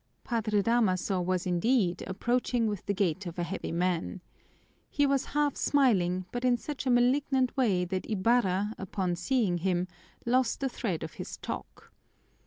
Padre Damaso was, indeed, approaching with the gait of a heavy man. He was half smiling, but in such a malignant way that Ibarra, upon seeing him, lost the thread of his talk.